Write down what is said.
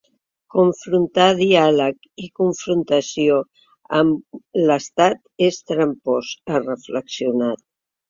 Confrontar diàleg i confrontació amb l’estat és trampós, ha reflexionat.